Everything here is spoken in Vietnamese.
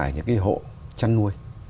ở những hộ chân nuôi